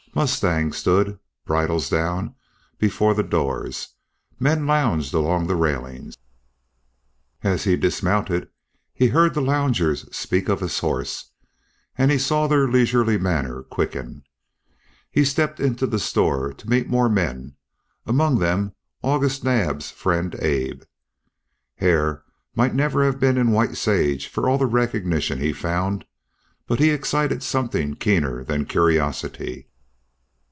Mustangs stood, bridles down, before the doors; men lounged along the railings. As he dismounted he heard the loungers speak of his horse, and he saw their leisurely manner quicken. He stepped into the store to meet more men, among them August Naab's friend Abe. Hare might never have been in White Sage for all the recognition he found, but he excited something keener than curiosity.